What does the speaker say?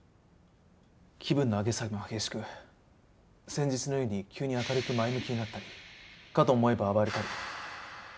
気分の上げ下げも激しく先日のように急に明るく前向きになったりかと思えば暴れたり。